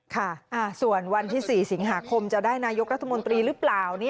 ค่ะส่วนวันที่๔สิงหาคมจะได้นายกรัฐมนตรีหรือเปล่า